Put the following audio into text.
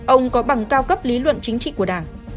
ông có bằng cao cấp lý luận chính trị của đảng